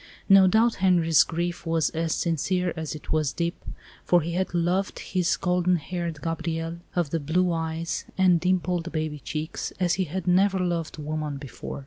No doubt Henri's grief was as sincere as it was deep, for he had loved his golden haired Gabrielle of the blue eyes and dimpled baby cheeks as he had never loved woman before.